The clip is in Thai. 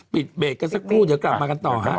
เบรกกันสักครู่เดี๋ยวกลับมากันต่อฮะ